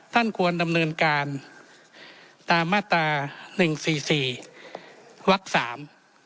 ควรดำเนินการตามมาตราหนึ่งสี่สี่วักสาม